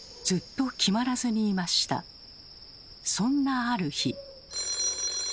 そんなある日。